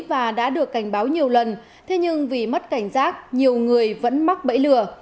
và đã được cảnh báo nhiều lần thế nhưng vì mất cảnh giác nhiều người vẫn mắc bẫy lừa